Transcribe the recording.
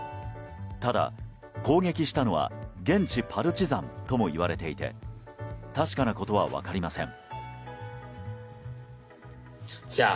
ただ、攻撃したのは現地パルチザンとも言われていて確かなことは分かりません。